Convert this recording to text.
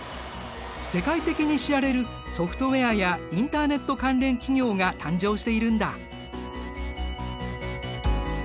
世界的に知られるソフトウェアやインターネット関連企業が誕生しているんだ。